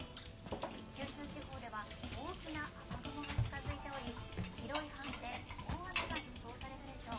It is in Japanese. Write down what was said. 九州地方では大きな雨雲が近づいており広い範囲で大雨が予想されるでしょう。